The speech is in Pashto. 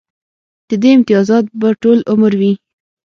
د دې امتیازات به ټول عمر وي